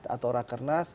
atau raker nas